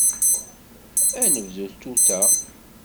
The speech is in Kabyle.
Ad nebdu tuta?